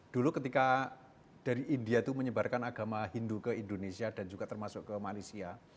dulu ketika dari india itu menyebarkan agama hindu ke indonesia dan juga termasuk ke malaysia